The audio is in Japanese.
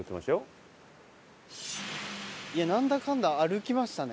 なんだかんだ歩きましたね。